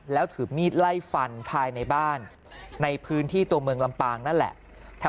แล้วถือมีดไล่ฟันภายในบ้านในพื้นที่ตัวเมืองลำปางนั่นแหละ